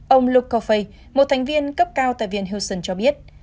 bốn ông luke coffey một thành viên cấp cao tại viên houston cho biết